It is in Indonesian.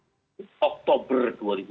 itu oktober dua ribu tiga belas